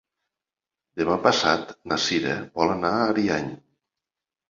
Demà passat na Cira vol anar a Ariany.